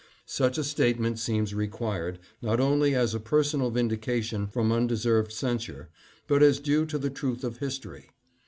Such a statement seems required, not only as a personal vindication from undeserved censure, but as due to the truth of history.